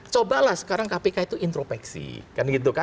cobalah sekarang kpk itu intropeksi